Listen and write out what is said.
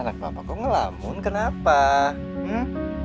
anak papaku ngelamun kenapa hmm